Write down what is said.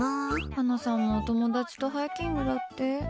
ハナさんもお友達とハイキングだって。